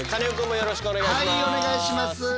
よろしくお願いします。